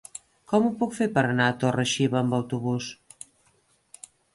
Com ho puc fer per anar a Torre-xiva amb autobús?